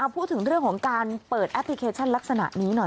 พูดถึงเรื่องของการเปิดแอปพลิเคชันลักษณะนี้หน่อย